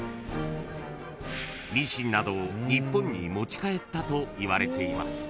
［などを日本に持ち帰ったといわれています］